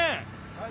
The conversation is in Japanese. はい。